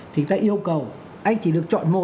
thì ta yêu cầu anh chỉ được chọn một